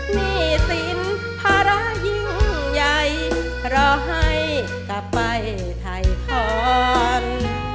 นี่สินพาระยิ่งใหญ่เพราะให้กลับไปถ่ายครอน